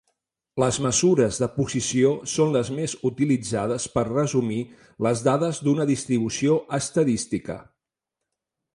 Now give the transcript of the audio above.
Les mesures de posició són les més utilitzades per resumir les dades d'una distribució estadística.